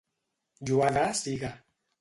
Lloada siga.